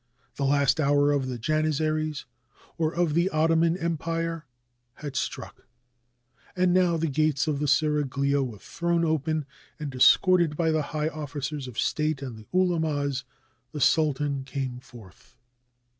The last hour of the Janizaries, or of the Ottoman Empire, had struck. And now the gates of the seraglio were thrown open, and, escorted by the high officers of state and the ulemas, the sultan came forth.